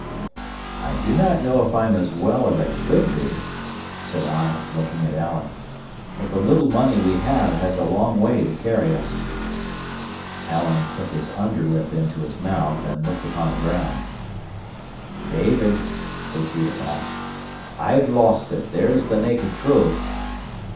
"I do not know if I am as well as I should be," said I, looking at Alan; "but the little money we have has a long way to carry us." Alan took his under lip into his mouth, and looked upon the ground. "David," says he at last, "I've lost it; there's the naked truth."